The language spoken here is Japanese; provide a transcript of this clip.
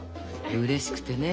うれしくてね